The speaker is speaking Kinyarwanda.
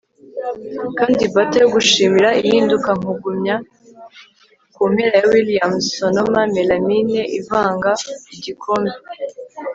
kandi batter yo gushimira ihinduka nkugumya kumpera ya williams sonoma melamine ivanga igikombe